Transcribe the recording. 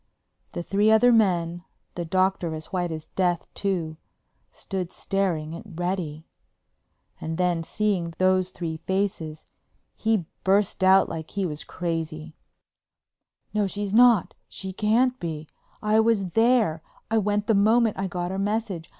The three other men—the Doctor as white as death, too—stood staring at Reddy. And then, seeing those three faces, he burst out like he was crazy: "No—she's not—she can't be! I was there; I went the moment I got her message.